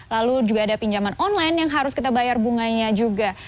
lalu juga ada pinjaman online yang harus kita bayar bunganya juga